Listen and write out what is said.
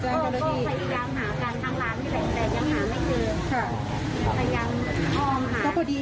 ใช่ค่ะวิ่งไปตรงนี้